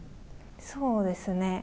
そうですね。